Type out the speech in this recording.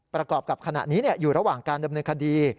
ประกอบกับขณะนี้อยู่ระหว่างการดำเนินคดี